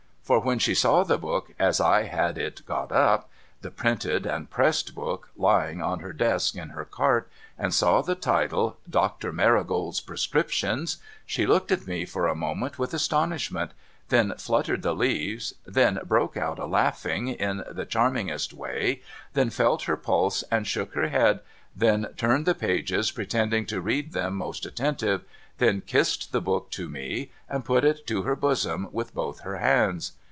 For when she saw the book, as I had it got up, — the printed and pressed book, — lying on her desk in her cart, and saw the title. Doctor MARiooLr/s Prescriptions, she looked at me for a moment with astonishment, then fluttered the leaves, then broke out a laughing in the charm ingest way, then felt her pulse and shook her head, then turned the pages pretending to read them most attentive, then kissed the book to me, and put it to her bosom with both her hands.